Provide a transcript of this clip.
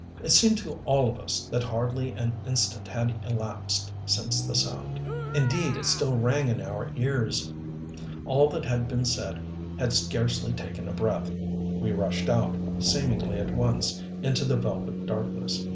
It seemed to all of us that hardly an instant had elapsed since the sound. Indeed it still rang in our ears. All that had been said had scarcely taken a breath. We rushed out, seemingly at once, into the velvet darkness.